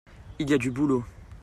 il y a du boulot.